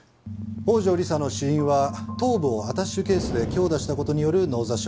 宝城理沙の死因は頭部をアタッシェケースで強打した事による脳挫傷。